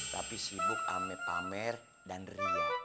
tapi sibuk amir pamer dan riak